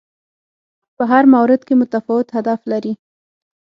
په هر مورد کې متفاوت هدف لري